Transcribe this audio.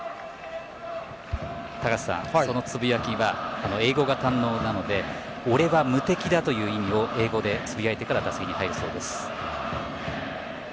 高瀬さん、そのつぶやきは英語が堪能なので俺は無敵だという意味を英語でつぶやいてから打席に入るそうです。